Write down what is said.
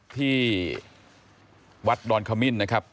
ที่วัดดอนขมิ้นนะครับ